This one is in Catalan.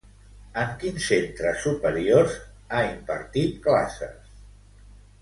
En quins centres superiors ha impartit classes?